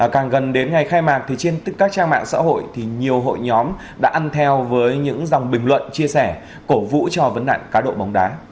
càng gần đến ngày khai mạc thì trên các trang mạng xã hội thì nhiều hội nhóm đã ăn theo với những dòng bình luận chia sẻ cổ vũ cho vấn nạn cá độ bóng đá